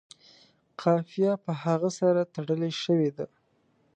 قافیه په هغه سره تړلې شوې ده.